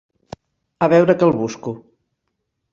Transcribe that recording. A veure que el busco.